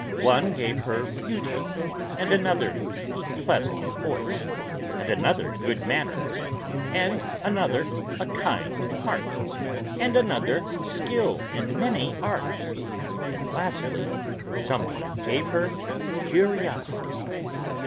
One gave her beauty; and another a pleasant voice; and another good manners; and another a kind heart; and another skill in many arts; and, lastly, some one gave her curiosity.